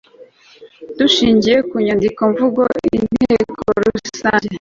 dushingiye ku nyandiko mvugo y inteko rusange